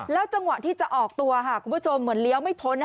จังหวะที่จะออกตัวค่ะคุณผู้ชมเหมือนเลี้ยวไม่พ้น